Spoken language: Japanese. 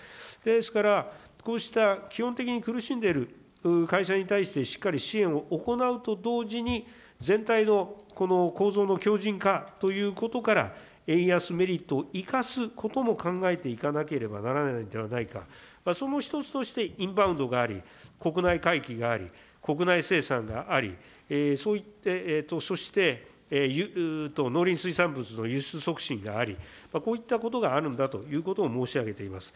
ですから、こうした基本的に苦しんでいる会社に対してしっかり支援を行うと同時に、全体の構造の強じん化ということから、円安メリットを生かすことも考えていかなければならないのではないか、その一つとして、インバウンドがあり、国内回帰があり、国内生産があり、そして、農林水産物の輸出促進があり、こういったことがあるんだということを申し上げています。